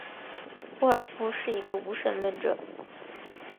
沃尔夫是一个无神论者。